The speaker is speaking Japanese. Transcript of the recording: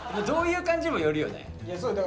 どういう感じにもよるよね。